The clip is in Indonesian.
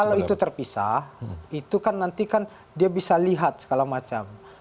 kalau itu terpisah itu kan nanti kan dia bisa lihat segala macam